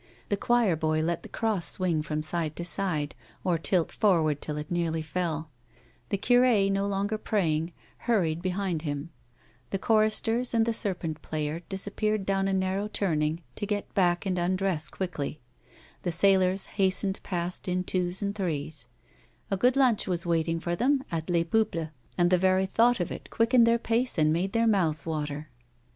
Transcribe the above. The cl)oir boy let the cross swing from side to side, or tilt forward till it nearly fell ; the cnre, no longer praj ing, hurried behind him ; the choristers and the serpent player disappeared down a narrow turning to get back and undress quickly, the sailors hastened past in twos and threes ; a good lunch was waiting for them at Les Peuples and the very thought of it quickened their pace and made their mouths water.